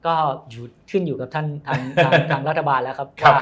ก็ชื่นอยู่กับท่านรัฐบาลแล้วครับ